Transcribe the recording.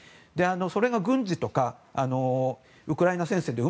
それが軍事とかウクライナ戦線で